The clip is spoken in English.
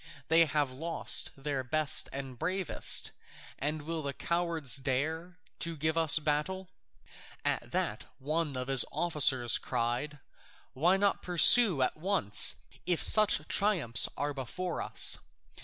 They have lost their best and bravest, and will the cowards dare to give us battle?" At that one of his officers cried, "Why not pursue at once, if such triumphs are before us?"